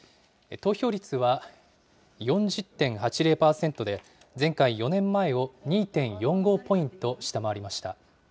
投票率は４０．８０％で、前回・４年前を２．４５ポイント下回りました。